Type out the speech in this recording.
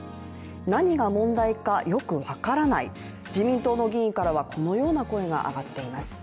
何が問題かよく分からない、自民党の議員からはこのような声が上がっています。